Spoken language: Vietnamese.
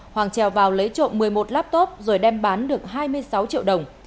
hoàng trèo vào lấy trộm một mươi một laptop rồi đem bán được hai mươi sáu triệu đồng